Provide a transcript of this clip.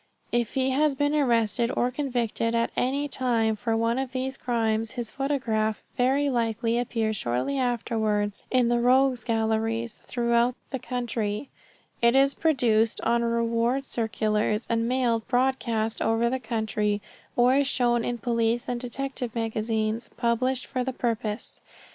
If he has been arrested or convicted at any time for one of these crimes his photograph very likely appears shortly afterwards in the rogues galleries throughout the country, it is reproduced on reward circulars and mailed broadcast over the country, or is shown in police and detective magazines published for the purpose.